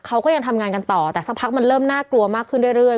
เขาก็ยังทำงานกันต่อแต่สักพักมันเริ่มน่ากลัวมากขึ้นเรื่อย